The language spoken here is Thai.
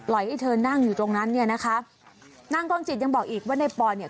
ให้เธอนั่งอยู่ตรงนั้นเนี่ยนะคะนางกรจิตยังบอกอีกว่าในปอนเนี่ย